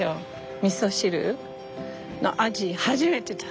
みそ汁の味初めて。